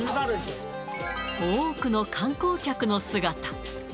多くの観光客の姿。